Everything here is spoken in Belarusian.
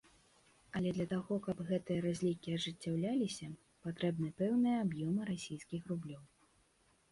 Але для таго, каб гэтыя разлікі ажыццяўляліся, патрэбны пэўныя аб'ёмы расійскіх рублёў.